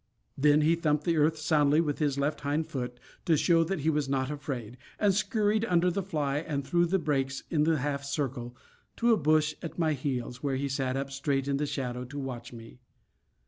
Then he thumped the earth soundly with his left hind foot, to show that he was not afraid, and scurried under the fly and through the brakes in a half circle to a bush at my heels, where he sat up straight in the shadow to watch me.